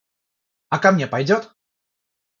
А ко мне пойдет?